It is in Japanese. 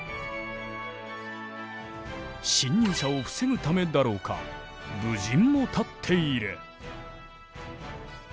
侵入者を防ぐためだろうか武人も立っている。